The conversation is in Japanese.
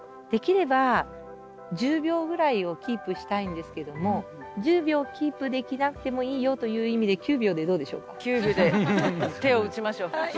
できれば１０秒ぐらいをキープしたいんですけども１０秒キープできなくてもいいよという意味で９秒でどうでしょうか。